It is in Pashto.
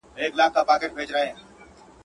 راټول سوی وه مېږیان تر چتر لاندي.